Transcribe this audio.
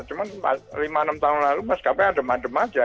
cuma lima enam tahun lalu maskapai adem adem aja